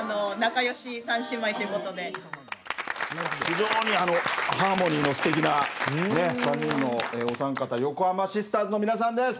非常にハーモニーのすてきな３人のお三方横濱シスターズの皆さんです。